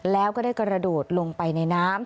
แล้วก็ได้กระโดดลงไปในน้ำ